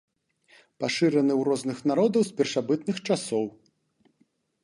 Пашыраны ў розных народаў з першабытных часоў.